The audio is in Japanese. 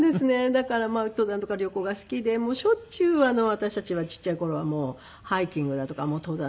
だからまあ登山とか旅行が好きでもうしょっちゅう私たちはちっちゃい頃はもうハイキングだとか登山。